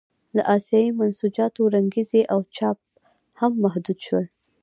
د اسیايي منسوجاتو رنګرېزي او چاپ هم محدود شول.